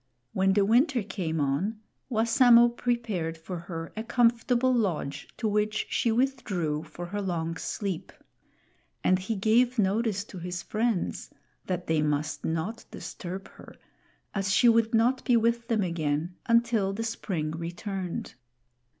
When the winter came on, Wassamo prepared for her a comfortable lodge to which she withdrew for her long sleep; and he gave notice to his friends that they must not disturb her, as she would not be with them again until the spring returned.